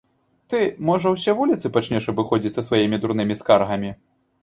Ты, можа, усе вуліцы пачнеш абыходзіць са сваімі дурнымі скаргамі?